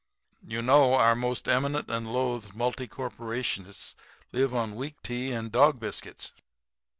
You know our most eminent and loathed multi corruptionists live on weak tea and dog biscuits.'